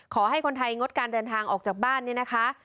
ขอให้คนไทยงดการเดินทางออกจากบ้านเนี่ยนะคะ